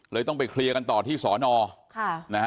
ต้องไปเคลียร์กันต่อที่สอนอค่ะนะฮะ